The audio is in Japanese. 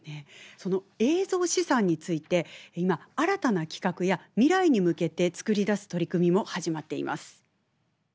その映像資産について今新たな企画や未来に向けて作り出す取り組みも始まっています。